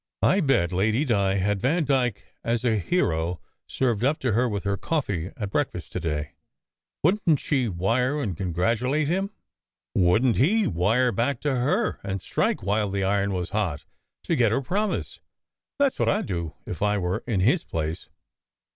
I bet Lady Di had Vandyke as a hero served up to her with her coffee at breakfast to day. Wouldn t she wire and congratulate him? Wouldn t he wire back to her, and strike while the iron was hot, to get her promise? That s what I d do if I were in his place."